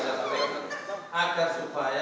karena kedua duanya kita hormati pendapatnya